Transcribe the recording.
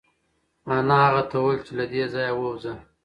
انا هغه ته وویل چې له دې ځایه ووځه.